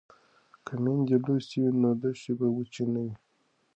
که میندې لوستې وي نو دښتې به وچې نه وي.